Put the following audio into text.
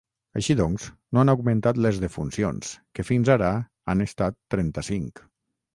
Així doncs, no han augmentat les defuncions, que fins ara han estat trenta-cinc.